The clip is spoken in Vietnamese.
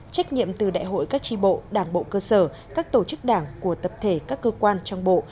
trách nhiệm từ đại hội các tri bộ đảng bộ cơ sở các tổ chức đảng của tập thể các cơ quan trong bộ